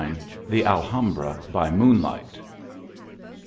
THE ALHAMBRA BY MOONLIGHT.